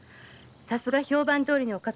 さすが評判どおりのお方。